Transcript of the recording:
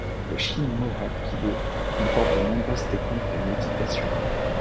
Le Sin Moo Hapkido comporte de nombreuses techniques de méditation.